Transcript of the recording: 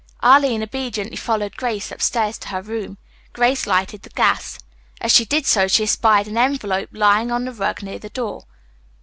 Arline obediently followed Grace upstairs to her room. Grace lighted the gas. As she did so she espied an envelope lying on the rug near the door.